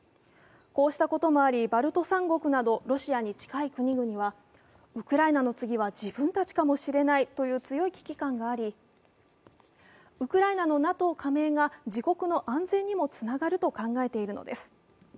こうしたこともありバルト三国などロシアに近い国々はウクライナの次は自分たちかもしれないという強い危機感がありウクライナのＮＡＴＯ加盟が自国の安全にもつながると考えているのです。